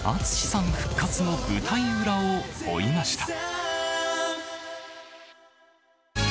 ＡＴＳＵＳＨＩさん復活の舞台裏を追いました。